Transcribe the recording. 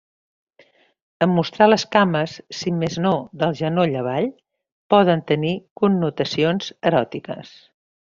En mostrar les cames, si més no del genoll avall, poden tenir connotacions eròtiques.